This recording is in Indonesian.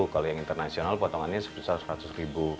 kalau yang internasional potongannya sebesar rp seratus